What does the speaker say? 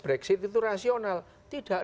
brexit itu rasional tidak